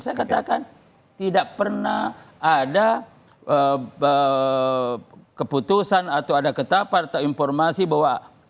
saya katakan tidak pernah ada keputusan atau ada ketapar atau informasi bahwa